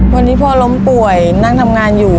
วันนี้พ่อล้มป่วยนั่งทำงานอยู่